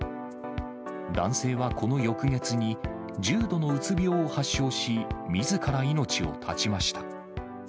男性はこの翌月に、重度のうつ病を発症し、みずから命を絶ちました。